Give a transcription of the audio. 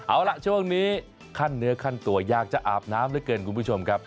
เอาล่ะช่วงนี้ขั้นเนื้อขั้นตัวอยากจะอาบน้ำเหลือเกินคุณผู้ชมครับ